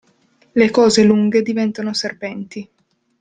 Le cose lunghe diventano serpenti.